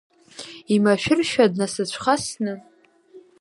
Имашәыршәа, днасыцәхасны…